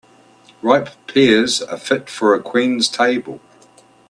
Ripe pears are fit for a queen's table.